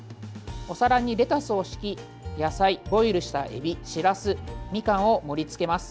お皿にレタスを敷き野菜、ボイルしたエビしらす、みかんを盛り付けます。